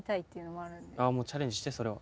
もうチャレンジしてそれは。